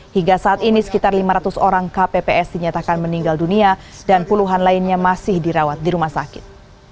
hingga saat ini sekitar lima ratus orang kpps dinyatakan meninggal dunia dan puluhan lainnya masih dirawat di rumah sakit